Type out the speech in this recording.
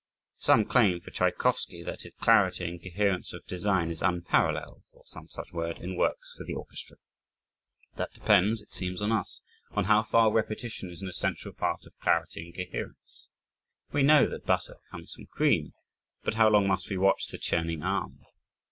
Some claim for Tchaikowsky that his clarity and coherence of design is unparalleled (or some such word) in works for the orchestra. That depends, it seems to us, on how far repetition is an essential part of clarity and coherence. We know that butter comes from cream but how long must we watch the "churning arm!"